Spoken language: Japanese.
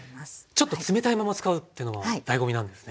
ちょっと冷たいまま使うっていうのもだいご味なんですね。